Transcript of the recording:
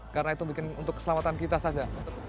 karena itu bikin untuk keselamatan kita saja